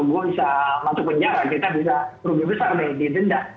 gue bisa masuk penjara kita bisa rugi besar nih didenda